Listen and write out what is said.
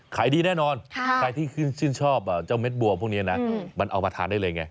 ขายดีแน่นอนใครที่ชื่นชอบเจ้าเม็ดบัวพวกนี้นะมันเอามาทานได้เลยไง